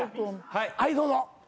はいどうぞ。